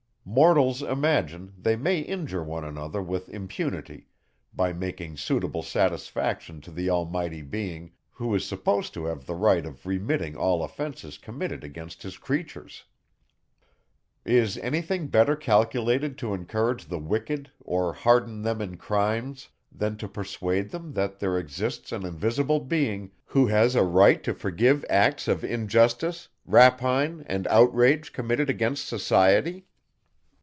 Mortals imagine, they may injure one another with impunity, by making suitable satisfaction to the almighty being, who is supposed to have the right of remitting all offences committed against his creatures. Is any thing better calculated to encourage the wicked or harden them in crimes, than to persuade them that there exists an invisible being, who has a right to forgive acts of injustice, rapine, and outrage committed against society?